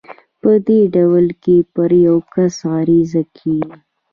په دې ډول کې پر يو کس عريضه کېږي.